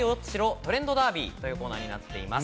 トレンドダービー」というコーナーになっています。